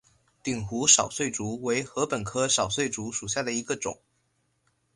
鼎湖少穗竹为禾本科少穗竹属下的一个种。